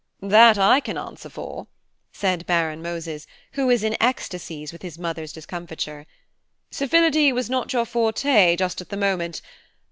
"That I can answer for," said Baron Moses, who was in ecstasies with his mother's discomfiture, "civility was not your forte just at the moment.